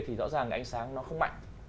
thì rõ ràng ánh sáng nó không mạnh